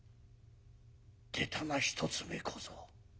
出たな一つ目小僧。